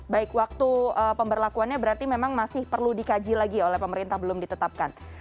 baik waktu pemberlakuannya berarti memang masih perlu dikaji lagi oleh pemerintah belum ditetapkan